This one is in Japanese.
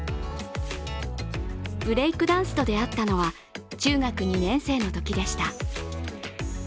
ブレイクダンスと出会ったのは中学２年生のときでした。